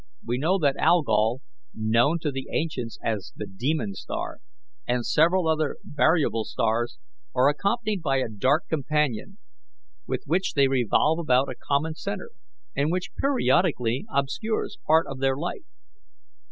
"We know that Algol, known to the ancients as the 'Demon Star,' and several other variable stars, are accompanied by a dark companion, with which they revolve about a common centre, and which periodically obscures part of their light.